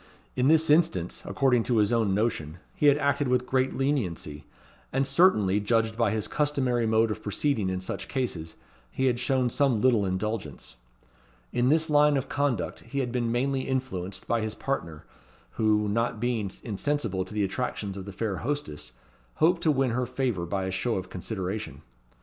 In this instance, according to his own notion, he had acted with great leniency; and certainly, judged by his customary mode of proceeding in such cases, he had shown some little indulgence. In this line of conduct he had been mainly influenced by his partner, who, not being insensible to the attractions of the fair hostess, hoped to win her favour by a show of consideration.